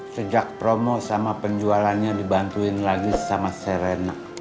sejak promo sama penjualannya dibantuin lagi sama serena